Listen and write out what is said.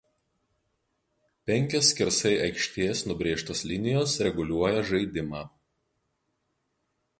Penkios skersai aikštės nubrėžtos linijos reguliuoja žaidimą.